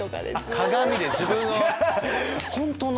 鏡で自分を。